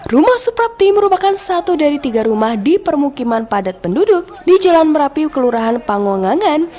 rumah suprapti merupakan satu dari tiga rumah di permukiman padat penduduk di jalan merapi kelurahan panongangan